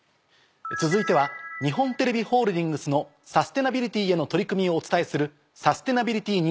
続いては日本テレビホールディングスのサステナビリティへの取り組みをお伝えする。